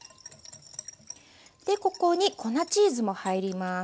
でここに粉チーズも入ります。